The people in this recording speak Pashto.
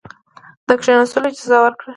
د کښېنستلو اجازه ورکړه.